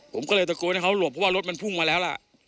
ผมก็เลยตะโกนให้เขาหลบเพราะว่ารถมันพุ่งมาแล้วล่ะ